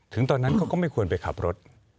ตอนนั้นเขาก็ไม่ควรไปขับรถ